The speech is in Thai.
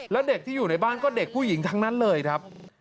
แล้วเด็กที่อยู่ในบ้านก็เด็กผู้หญิงทั้งนั้นเลยครับ